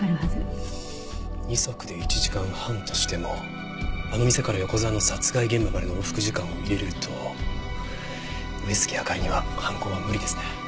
２足で１時間半としてもあの店から横沢の殺害現場までの往復時間を入れると上杉明里には犯行は無理ですね。